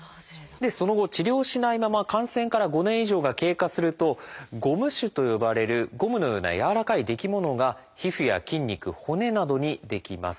その後治療しないまま感染から５年以上が経過すると「ゴム腫」と呼ばれるゴムのような軟らかいできものが皮膚や筋肉骨などに出来ます。